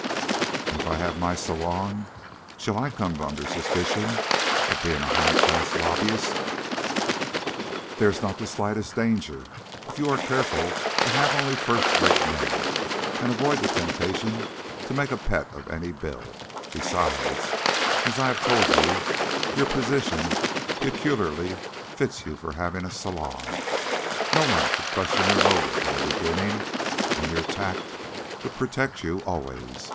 "And if I have my salon, shall I come under suspicion of being a high class lobbyist?" "There is not the slightest danger if you are careful to have only first rate men, and avoid the temptation to make a pet of any bill. Besides, as I have told you, your position peculiarly fits you for having a salon. No one could question your motive in the beginning, and your tact would protect you always.